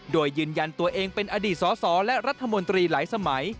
โดยยืนยันตัวเองเป็นอดีตสสและรัฐมนตรีหลายสมัย